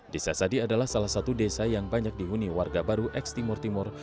desa sadi adalah salah satu desa yang banyak dihuni warga baru eks timur timur